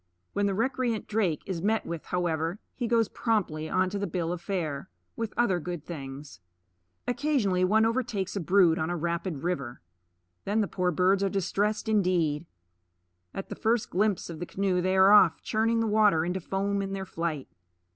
When the recreant drake is met with, however, he goes promptly onto the bill of fare, with other good things. Occasionally one overtakes a brood on a rapid river. Then the poor birds are distressed indeed. At the first glimpse of the canoe they are off, churning the water into foam in their flight.